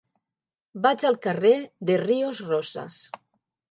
Vaig al carrer de Ríos Rosas.